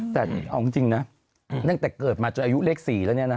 แต่เอาจริงนะตั้งแต่เกิดมาจนอายุเลข๔แล้วเนี่ยนะ